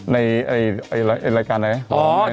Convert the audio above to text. ในอะไรรายการอะไรแนี้ย